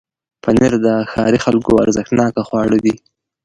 پنېر د ښاري خلکو ارزښتناکه خواړه دي.